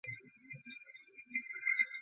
হাটুঁ গেড়ে বসুন।